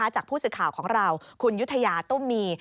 จากผู้สื่อข่าวของเราคุณยุธยาตุ้มมี